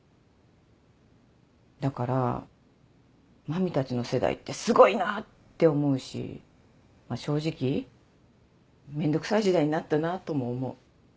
だから麻美たちの世代ってすごいなって思うしまぁ正直面倒くさい時代になったなとも思う。